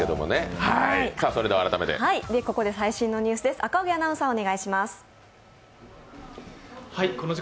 ここで最新のニュースです。